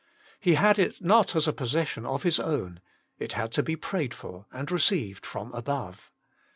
He had it not as a possession of His own ; it had to be prayed for and received from above.